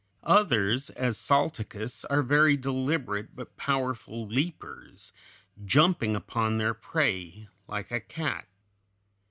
Others, as Salticus, are very deliberate, but powerful leapers, jumping upon their prey like a cat.